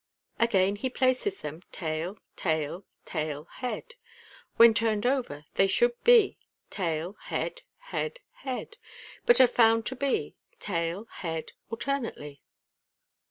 Again he places them, tail, tail, tail, head. When turned over they should be tail, ru ad, head, head, but are found to be tail, head, alternately.